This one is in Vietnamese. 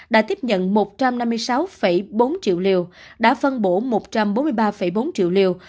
đã tiếp nhận một trăm năm mươi sáu bốn triệu liều đã phân bổ một trăm bốn mươi ba bốn triệu liều